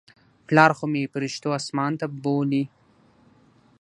پلار خو مې پرښتو اسمان ته بولى.